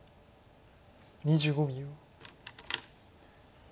２５秒。